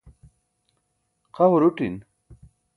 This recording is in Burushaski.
xa huruṭin